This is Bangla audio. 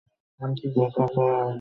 তার সাথিরাও পেছনে পেছনে আসতে থাকে।